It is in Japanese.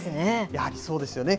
やはりそうですよね。